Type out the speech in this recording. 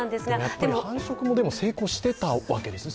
繁殖も成功していたわけですね。